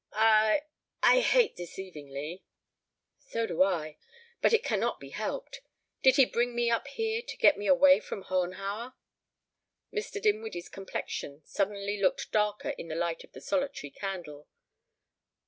I I hate deceiving Lee " "So do I, but it cannot be helped. Did he bring me up here to get me away from Hohenhauer?" Mr. Dinwiddie's complexion suddenly looked darker in the light of the solitary candle.